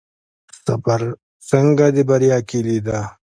صبر څنګه د بریا کیلي ده؟